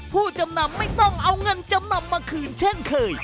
ผู้จำนำไม่ต้องเอาเงินจำนำมาคืนเช่นเคย